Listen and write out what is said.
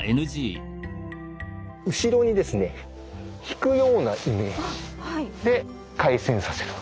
後ろにですね引くようなイメージで回旋させる。